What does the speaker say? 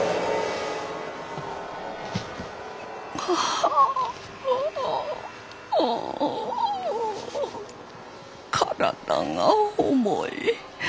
ああ体が重い。